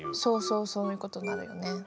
そうそうそういう事になるよね。